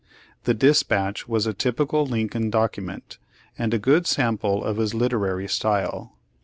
The dispatch was a typical Lincoln document, and a good sample of his liter ary style.